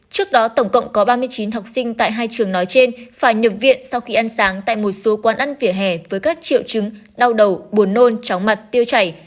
trước đó tổng cộng có ba mươi chín học sinh tại hai trường nói trên phải nhập viện sau khi ăn sáng tại một số quán ăn vỉa hè với các triệu chứng đau đầu buồn nôn chóng mặt tiêu chảy